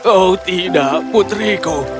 oh tidak putriku